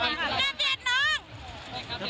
และได้พาใส่ดี่มานะครับ